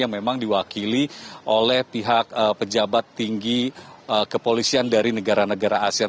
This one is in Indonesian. yang memang diwakili oleh pihak pejabat tinggi kepolisian dari negara negara asean